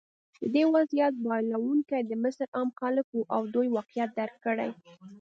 د دې وضعیت بایلونکي د مصر عام خلک وو او دوی واقعیت درک کړی.